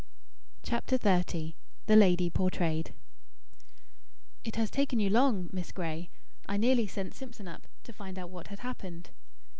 CHAPTER XXX "THE LADY PORTRAYED" "It has taken you long, Miss Gray. I nearly sent Simpson up, to find out what had happened."